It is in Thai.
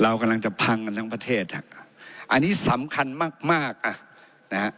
เรากำลังจะพังกันทั้งประเทศอ่ะอันนี้สำคัญมากมากอ่ะนะฮะ